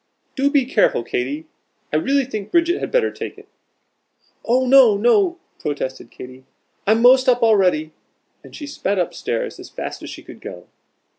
"Do be careful, Katy, I really think Bridget had better take it." "Oh no, no!" protested Katy, "I'm most up already." And she sped up stairs as fast as she could go.